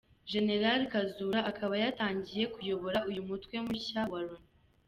General Kazura akaba yatangiye kuyobora uyu mutwe mushya wa Loni.